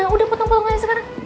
udah potong pelunganya sekarang